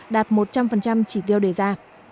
đạt một trăm linh chỉ tiêu đề ra